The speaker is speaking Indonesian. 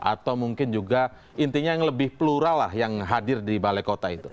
atau mungkin juga intinya yang lebih plural lah yang hadir di balai kota itu